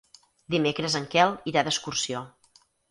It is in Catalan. Dimecres en Quel irà d'excursió.